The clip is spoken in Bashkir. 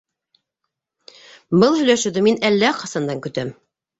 - Был һөйләшеүҙе мин әллә ҡасандан көтәм.